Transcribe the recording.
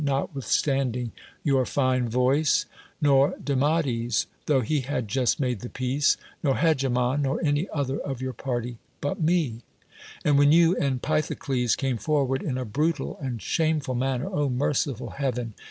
TiotwithstaTidin' T your 177 THE WORLD'S FAMOUS ORATIONS fine voice, nor Demades, tho he had just made the peace, nor Hegemon, nor any other of your party — but me. And when you and Pythocles came forward in a brutal and shameful man ner (0 merciful Heaven!)